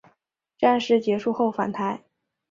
战事结束后返台。